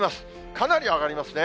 かなり上がりますね。